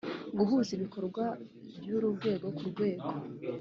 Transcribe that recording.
guhuza ibikorwa by uru rwego ku rwego